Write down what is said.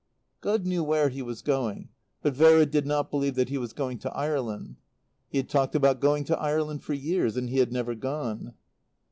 God knew where he was going, but Vera did not believe that he was going to Ireland. He had talked about going to Ireland for years, and he had never gone.